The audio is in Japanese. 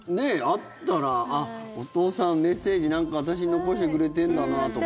あったら、ああ、お父さんメッセージ、なんか私に残してくれてるんだなとか。